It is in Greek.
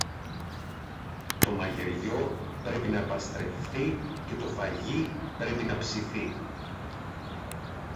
Το μαγειριό πρέπει να παστρευθεί και το φαγί πρέπει να ψηθεί.